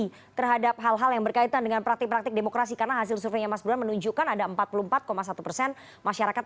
jadi terhadap hal hal yang berkaitan dengan praktik praktik demokrasi karena hasil surveinya mas buruhan menunjukkan ada empat puluh empat satu persen masyarakat